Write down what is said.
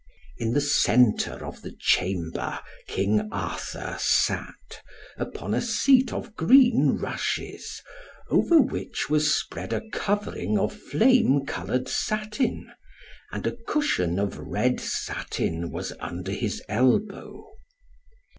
In the centre of the chamber king Arthur sat, upon a seat of green rushes, over which was spread a covering of flame coloured satin; and a cushion of red satin was under his elbow.